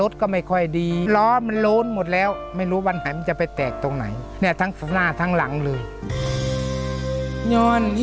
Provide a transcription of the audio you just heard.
ทั้งหน้าทั้งหลังเลย